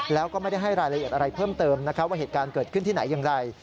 แล้วก็ไม่ได้ให้รายละเอียดอะไรเพิ่มเติมว่าเหตุการณ์เกิดขึ้นที่ไหนอย่างไร